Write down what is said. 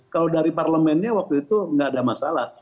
kalau dari parlemennya waktu itu nggak ada masalah